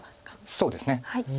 そうですね。